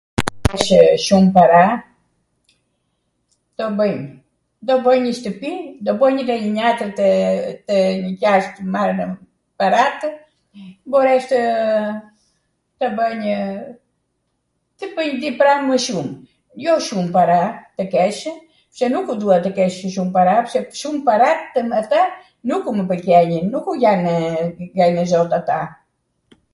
po tw keshe shum para, Cdo bwnj, do bwnj njw shtwpi, do bwnj edhe njw njatwr te jasht marwm paratw... mbores tw bwnjw, tw bwnj di pram mw shum, jo shum para tw keshw, pse nuku dua tw keshw shum para, pse shum para tw mwdha nuku mw pwlqenjwn, nukw janw nukw jam e zot ata